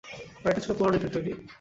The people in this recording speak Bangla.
আর এটা ছিল পোড়ানো ইটের তৈরী।